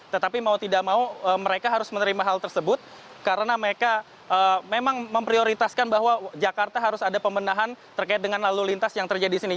tetapi mau tidak mau mereka harus menerima hal tersebut karena mereka memang memprioritaskan bahwa jakarta harus ada pembendahan terkait dengan lalu lintas yang terjadi di sini